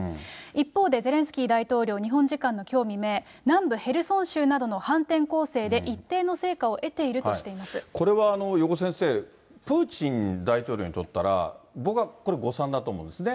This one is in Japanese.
一方でゼレンスキー大統領、日本時間のきょう未明、南部ヘルソン州などの反転攻勢で、一定の成果を得ているとしていまこれは余語先生、プーチン大統領にとったら、僕はこれ、誤算だと思うんですね。